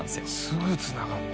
すぐつながった。